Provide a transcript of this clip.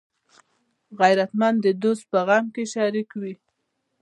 غیرتمند د دوست په غم کې شریک وي